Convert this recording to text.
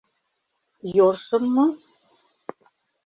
— Ёршым мо?